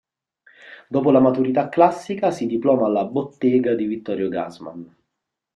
Dopo la maturità classica si diploma alla "Bottega" di Vittorio Gassman.